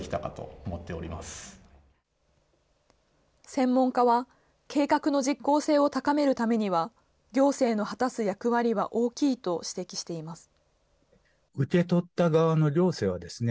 専門家は、計画の実効性を高めるためには、行政の果たす役割は大きいと指摘しています。